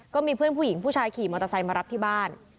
ก็มีเพื่อนผู้หญิงผู้ชายขี่มอเตอร์ไซค์มารับที่บ้าน